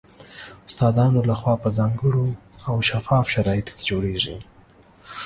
استادانو له خوا په ځانګړو او شفاف شرایطو کې جوړیږي